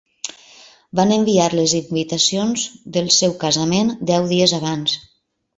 Van enviar les invitacions del seu casament deu dies abans.